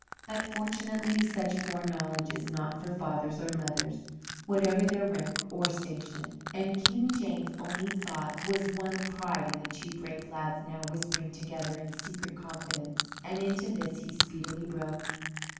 But, fortunately, such foreknowledge is not for fathers or mothers, whatever their rank or station, and King James's only thought was one of pride in the two brave lads now whispering together in secret confidence. And into this he speedily broke.